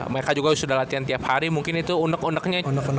mereka juga sudah latihan tiap hari mungkin itu unek uneknya